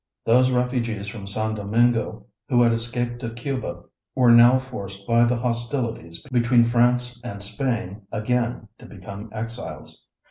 Those refugees from San Domingo who had escaped to Cuba were now forced by the hostilities between France and Spain again to become exiles.